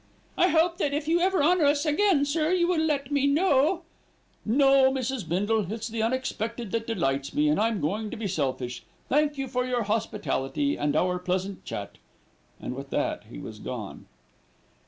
"I hope that if ever you honour us again, sir, you will let me know " "No, Mrs. Bindle, it's the unexpected that delights me, and I'm going to be selfish. Thank you for your hospitality and our pleasant chat," and with that he was gone.